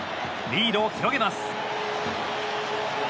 リードを広げます。